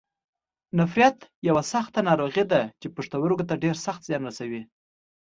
نفریت یوه سخته ناروغي ده چې پښتورګو ته ډېر سخت زیان رسوي.